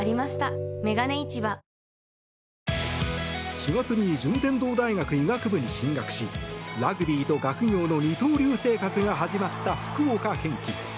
４月に順天堂大学医学部に進学しラグビーと学業の二刀流生活が始まった福岡堅樹。